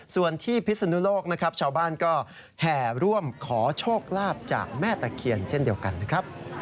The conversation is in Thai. ส่วนที่พิศนุโลกนะครับชาวบ้านก็แห่ร่วมขอโชคลาภจากแม่ตะเคียนเช่นเดียวกันนะครับ